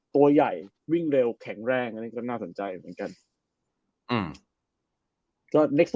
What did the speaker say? ตัวใหญ่วิ่งเร็วแข็งแรงอันนี้ก็น่าสนใจเหมือนกัน